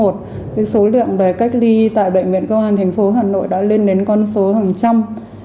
số lượng về cách ly tại bệnh viện công an thành phố hà nội đã lên đến con số hàng trăm